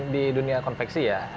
di dunia konveksi ya